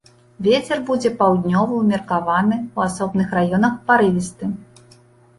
Вецер будзе паўднёвы ўмеркаваны, у асобных раёнах парывісты.